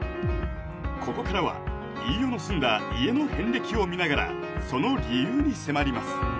ここからは飯尾の住んだ家の遍歴を見ながらその理由に迫ります